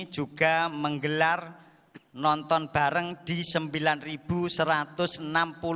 juga menggelar nonton bareng di sembilanan